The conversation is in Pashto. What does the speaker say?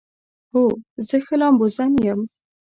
هو، زه ښه لامبوزن یم